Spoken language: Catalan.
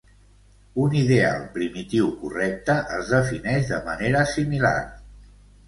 Un ideal primitiu correcte es defineix de manera similar.